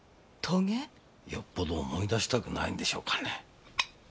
よっぽど思い出したくないんでしょうかね。